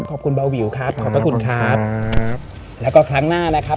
เบาวิวครับขอบพระคุณครับแล้วก็ครั้งหน้านะครับ